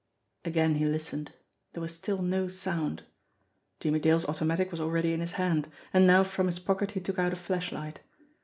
Again he listened. There was still no sound. Jimmie Dale's automatic was already in his hand, and now from his pocket he took out a flashlight.